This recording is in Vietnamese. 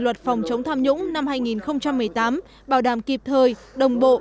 luật phòng chống tham nhũng năm hai nghìn một mươi tám bảo đảm kịp thời đồng bộ